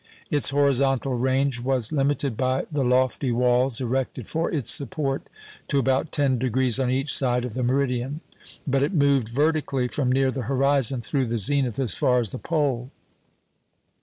Its horizontal range was limited by the lofty walls erected for its support to about ten degrees on each side of the meridian; but it moved vertically from near the horizon through the zenith as far as the pole.